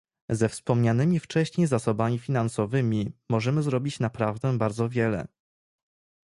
Ze wspomnianymi wcześniej zasobami finansowymi możemy zrobić naprawdę bardzo wiele